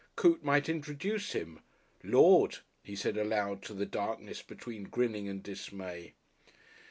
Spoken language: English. Coote might introduce him. "Lord!" he said aloud to the darkness between grinning and dismay.